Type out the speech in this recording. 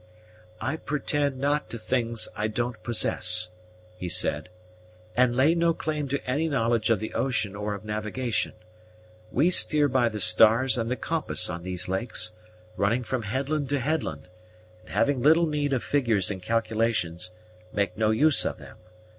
"I pretend not to things I don't possess," he said, "and lay no claim to any knowledge of the ocean or of navigation. We steer by the stars and the compass on these lakes, running from headland to headland; and having little need of figures and calculations, make no use of them.